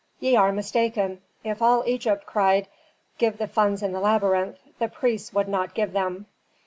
"Ye are mistaken. If all Egypt cried, 'give the funds in the labyrinth,' the priests would not give them."